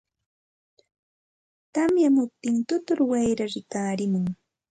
tamyamuptin tutur wayraa rikarimun.